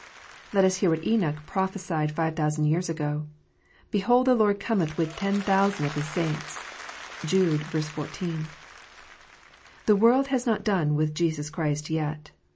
Let us hear what Enoch prophesied 5000 years ago: "Behold, the Lord cometh with ten thousands of His saints." (Jude 14.) The world has not done with Jesus Christ yet.